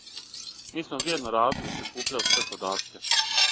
Ми смо вриједно радили, прикупљали све податке.